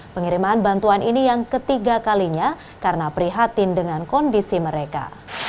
pengiriman bantuan ini yang ketiga kalinya karena prihatin dengan kondisi mereka